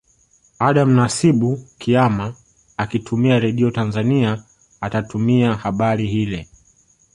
Adam Nasibu Kiama akitumia Radio Tanzania atatumia habari hile